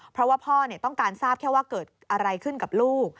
เพราะว่าพ่อต้องการทราบแค่ว่าเกิดอะไรขึ้นกับลูก